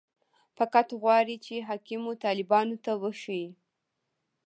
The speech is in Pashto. فقط غواړي چې حاکمو طالبانو ته وښيي.